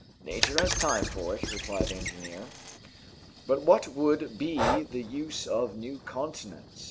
"Nature has time for it," replied the engineer. "But what would be the use of new continents?"